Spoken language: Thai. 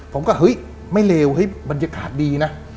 ผมก็เห้ย๊ะไม่เลวมันบรรยากาศดีนะ